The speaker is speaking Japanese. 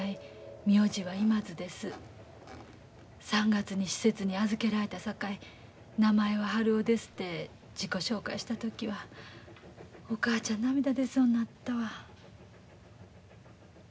３月に施設に預けられたさかい名前は春男ですて自己紹介した時はお母ちゃん涙出そうになったわ。